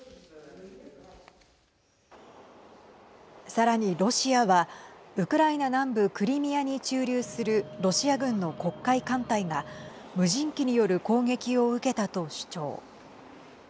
さらにロシアはウクライナ南部クリミアに駐留するロシア軍の黒海艦隊が無人機による攻撃を受けたと主張。